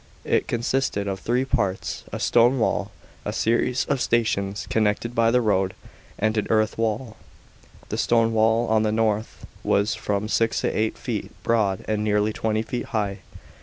It con 1 sisted of three parts : a stone wall, a w series of stations connected by the road, +2 and an earth wall. (1) The stone wall, ^ on the north, was from six to eight feet g broad and nearly twenty feet high.